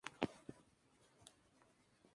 Obtuvo premios de Palm Springs Opera Guild.